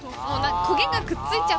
焦げがくっついちゃったね